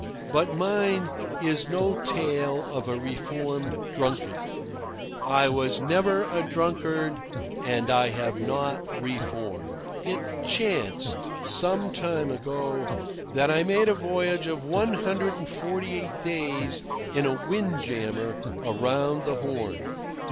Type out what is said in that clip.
But mine is no tale of a reformed drunkard. I was never a drunkard, and I have not reformed. It chanced, some time ago, that I made a voyage of one hundred and forty eight days in a windjammer around the Horn.